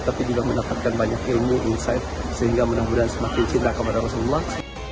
tapi juga mendapatkan banyak ilmu insight sehingga mudah mudahan semakin cinta kepada rasulullah